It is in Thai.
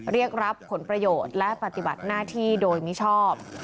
เรียกรับผลประโยชน์และปฏิบัติหน้าที่โดยมิชอบ